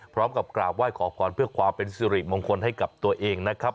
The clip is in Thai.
พร้อมกับกราบไหว้ขอพรเพื่อความเป็นสิริมงคลให้กับตัวเองนะครับ